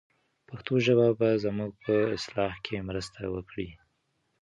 پښتو ژبه به زموږ په اصلاح کې مرسته وکړي.